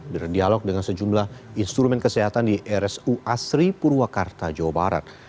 berdialog dengan sejumlah instrumen kesehatan di rsu asri purwakarta jawa barat